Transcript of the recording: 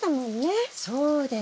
そうです。